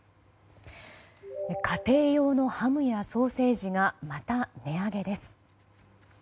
家庭用のハムやソーセージがまた値上げです。